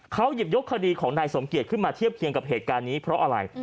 เขาหยิบยกคดีของนายสมเกียจขึ้นมาเทียบเคียงกับเหตุการณ์นี้เพราะอะไร